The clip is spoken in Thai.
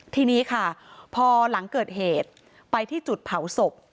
ทีนี้ค่ะพอหลังเกิดเหตุไปที่จุดเผาศพ